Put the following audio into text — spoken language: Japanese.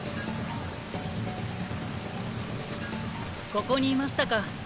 ここにいましたか。